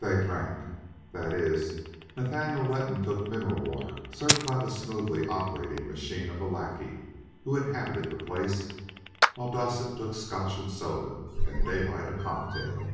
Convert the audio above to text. They drank that is, Nathaniel Letton took mineral water served by the smoothly operating machine of a lackey who inhabited the place, while Dowsett took Scotch and soda and Daylight a cocktail.